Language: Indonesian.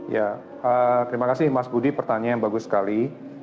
ya terima kasih mas budi pertanyaan yang bagus sekali